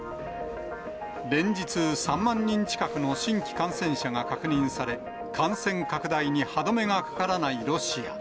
連日、３万人近くの新規感染者が確認され、感染拡大に歯止めがかからないロシア。